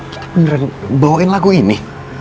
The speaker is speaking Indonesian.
kita beneran bawain lagu ini